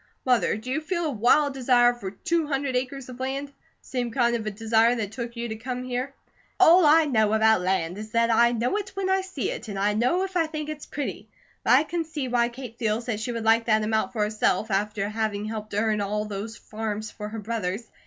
Mother, do you feel a wild desire for two hundred acres of land? Same kind of a desire that took you to come here?" "No, I don't," said Mrs. Jardine. "All I know about land is that I know it when I see it, and I know if I think it's pretty; but I can see why Kate feels that she would like that amount for herself, after having helped earn all those farms for her brothers.